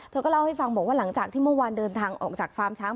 เธอก็เล่าให้ฟังบอกว่าหลังจากที่เมื่อวานเดินทางออกจากฟาร์มช้าง